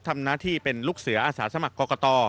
ทำหน้าที่เป็นลูกเสืออาสาสมัครกรกต